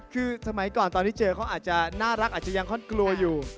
คือสมัยก่อนตอนที่เจอเขาอาจจะน่ารักอาจจะยังค่อนกลัวอยู่